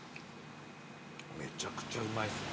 めちゃくちゃうまいっすね。